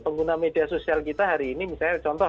pengguna media sosial kita hari ini misalnya contoh